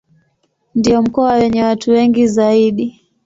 Ndio mkoa wenye watu wengi zaidi.